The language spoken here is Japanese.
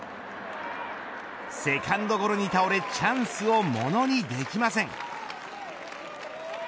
セカンドゴロに倒れチャンスをものにできません。